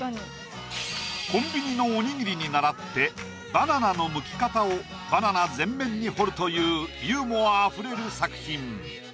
コンビニのおにぎりに倣ってバナナのむき方をバナナ全面に彫るというユーモアあふれる作品。